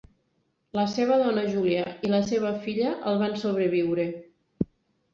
La seva dona Julia i la seva filla el van sobreviure.